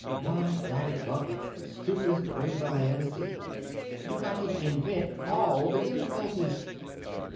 Why, drat it, Huck, it's the stupidest arrangement I ever see. You got to invent all the difficulties.